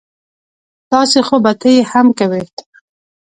داسې خو به ته یې هم کوې